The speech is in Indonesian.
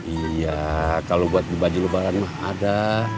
iya kalau buat baju lebaran mak ada